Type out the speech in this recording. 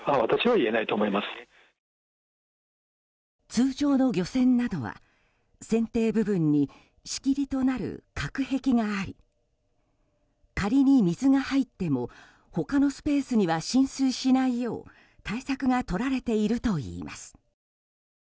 通常の漁船などは、船底部分に仕切りとなる隔壁があり仮に水が入っても他のスペースには浸水しないよう対策がとられているといいます。